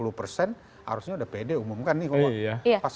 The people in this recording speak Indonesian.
harusnya udah pede umumkan nih kalau